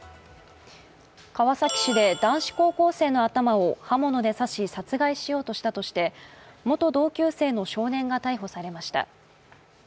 川崎市で男子高校生の頭を刃物で刺し殺害しようとしたとして元同級生の少年が逮捕されました。